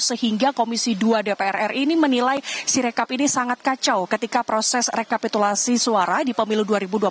sehingga komisi dua dpr ri ini menilai sirekap ini sangat kacau ketika proses rekapitulasi suara di pemilu dua ribu dua puluh